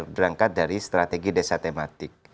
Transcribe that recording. berangkat dari strategi desa tematik